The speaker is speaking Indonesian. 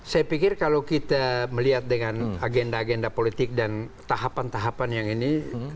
saya pikir kalau kita melihat dengan agenda agenda politik dan tahapan tahapan yang ini